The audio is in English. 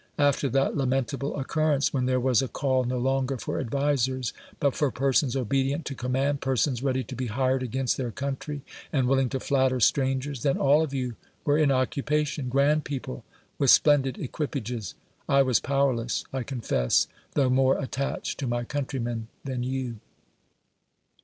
After that lamentable occurrence, when there was a call no longer for advisers, but for persons obedient to command, persons ready to be hired against their country and willing to flatter strangers, then all of you were in occupation, grand people with splendid equipages; I was powerless, I con fess, tho more attached to my countrymen than you.